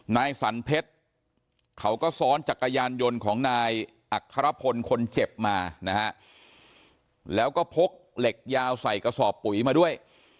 นายสันเพชรเขาก็ซ้อนจักรยานยนต์ของนายอัครพลคนเจ็บมานะฮะแล้วก็พกเหล็กยาวใส่กระสอบปุ๋ยมาด้วย